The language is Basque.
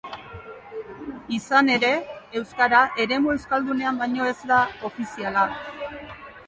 Izan ere, euskara eremu euskaldunean baino ez da ofiziala.